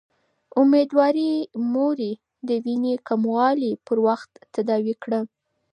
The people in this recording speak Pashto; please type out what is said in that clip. اميدوارې مورې، د وينې کموالی پر وخت تداوي کړه